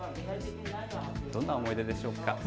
どんな思い出でしょうか。